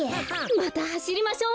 またはしりましょう！